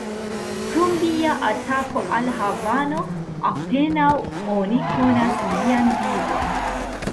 Krom lia atako al Havano, apenaŭ oni konas lian vivon.